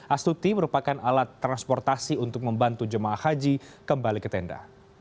astuti merupakan alat transportasi untuk membantu jemaah haji kembali ke tenda